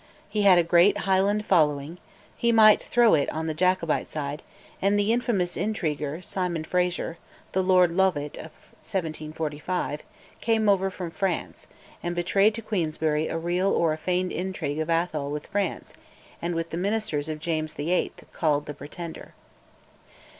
He had a great Highland following, he might throw it on the Jacobite side, and the infamous intriguer, Simon Frazer (the Lord Lovat of 1745), came over from France and betrayed to Queensberry a real or a feigned intrigue of Atholl with France and with the Ministers of James VIII., called "The Pretender."